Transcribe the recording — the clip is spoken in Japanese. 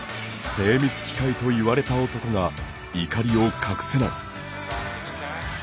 精密機械をいわれた男が怒りを隠せない。